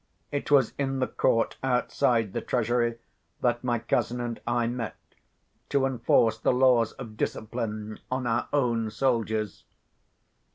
It was in the court outside the treasury that my cousin and I met, to enforce the laws of discipline on our own soldiers.